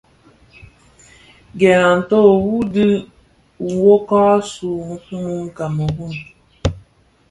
Gèn a nto u dhid nwokag, asuu mun Kameroun,